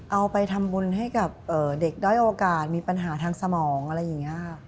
เอาไปทำบุญให้กับเด็กด้อยโอกาสมีปัญหาทางสมองอะไรอย่างนี้ค่ะ